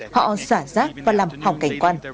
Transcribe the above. họ xả rác và làm hỏng cảnh quan